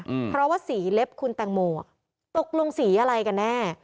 อืมเพราะว่าสีเล็บคุณแตงโมอ่ะตกลงสีอะไรกันแน่